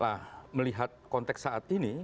nah melihat konteks saat ini